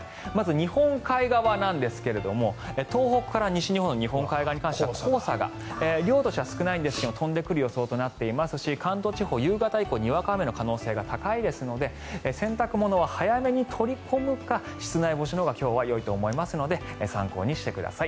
日本海側なんですが東北から西日本の日本海側に関しては黄砂が量としては少ないんですが飛んでくる予想となっていますし関東地方、夕方以降にわか雨の可能性が高いですので洗濯物は早めに取り込むか室内干しのほうが今日はよいと思いますので参考にしてください。